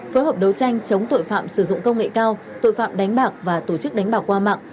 phối hợp đấu tranh chống tội phạm sử dụng công nghệ cao tội phạm đánh bạc và tổ chức đánh bạc qua mạng